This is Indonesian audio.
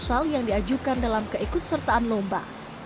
pertama penilaian yang diajukan dalam keikut sertaan lomba